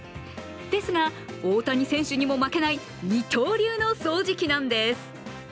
ですが、大谷選手にも負けない二刀流の掃除機なんです。